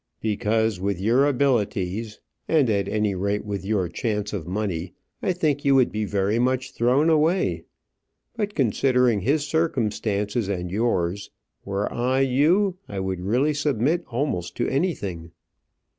"Because, with your abilities, and at any rate with your chance of money, I think you would be very much thrown away; but, considering his circumstances and yours, were I you, I would really submit almost to anything."